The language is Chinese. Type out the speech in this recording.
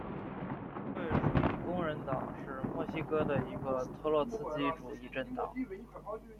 社会主义工人党是墨西哥的一个托洛茨基主义政党。